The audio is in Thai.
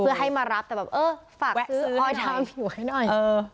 เพื่อให้มารับแต่แบบเอ่อฝากซื้อออยทาผิวให้หน่อย